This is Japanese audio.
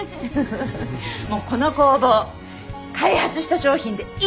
もうこの工房開発した商品でいっぱいにしよう。